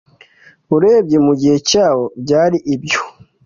Urebye mugihe cyabo byari ibyo